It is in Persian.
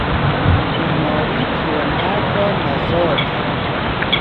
بیماری پیرمرد را نزار کرده بود.